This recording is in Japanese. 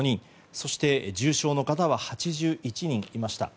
そして、重症の方は８１人いました。